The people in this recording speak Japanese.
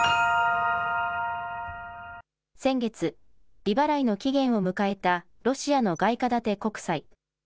先月、利払いの期限を迎えたロシアの外貨建て国債。